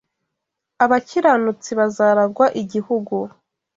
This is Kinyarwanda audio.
abakiranutsi bazaragwa igihugu